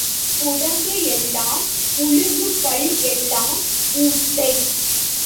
உடம்பு எல்லாம் புளுகு பல் எல்லாம் ஊத்தை.